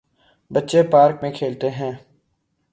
بچے پارک میں کھیلتے ہیں۔